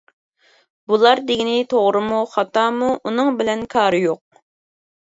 بۇلار دېگىنى توغرىمۇ خاتامۇ ئۇنىڭ بىلەن كارى يوق.